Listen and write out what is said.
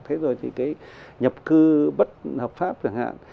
thế rồi thì cái nhập cư bất hợp pháp chẳng hạn